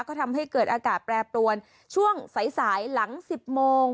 ก็ทำให้เกิดอากาศแปรปรวนช่วงสายสายหลัง๑๐โมง